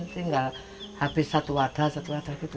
tinggal habis satu wadah satu wadah semalam